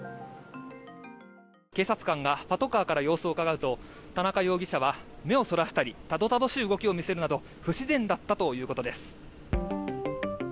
警察官がパトカーから様子をうかがうと田中容疑者は目をそらしたりたどたどしい動きを見せるなど不自然だったということです。